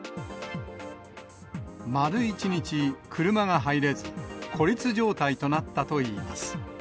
丸一日、車が入れず、孤立状態となったといいます。